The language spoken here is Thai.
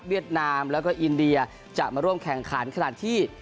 นามแล้วก็อินเดียจะมาร่วมแข่งขันขนาดที่